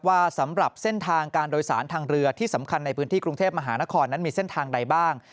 สำหรับเส้นทางการโดยสารทางเรือที่สำคัญในพื้นที่กรุงเทพมหานครนั้นมีเส้นทางใดบ้าง